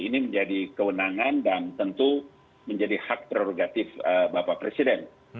ini menjadi kewenangan dan tentu menjadi hak prerogatif bapak presiden